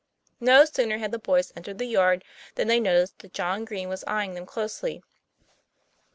No sooner had the boys entered the yard, than they noticed that John Green was eyeing them closely.